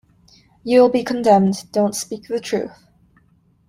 You will be condemned, don't speak the truth!